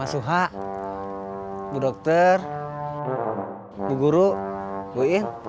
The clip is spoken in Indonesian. pak suha bu dokter bu guru bu in